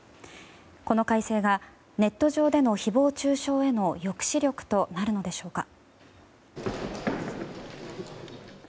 この改正がネット上での誹謗中傷への抑止力となるのでしょうか。